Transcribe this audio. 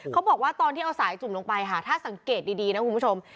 เขาบอกว่าตอนที่เอาสายจุ่มลงไปค่ะถ้าสังเกตดีนะคุณผู้ชม